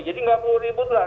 jadi nggak perlu ributlah